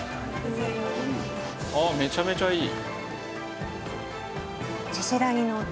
ああめちゃめちゃいい！